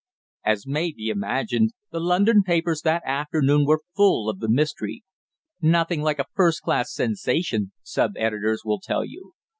As may be imagined, the London papers that afternoon were full of the mystery. Nothing like a first class "sensation," sub editors will tell you.